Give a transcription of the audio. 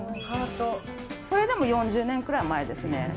これでも４０年くらい前です。